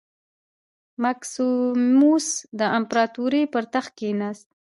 مکسیموس د امپراتورۍ پر تخت کېناست